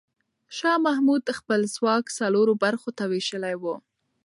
شاه محمود خپل ځواک څلور برخو ته وېشلی و.